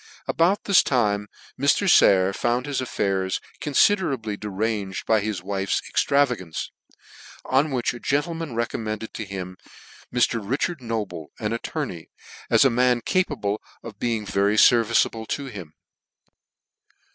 About this time Mr. Sayer found his affairs confiderably deranged by his wife's extravagance ; on which a gentleman recommended to him Mr. Richard Noble, an attorney, as a man capable of being very fehviceablc to him.